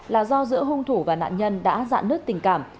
là do giữa hung thủ và nạn nhân đã dạ nứt tình cảm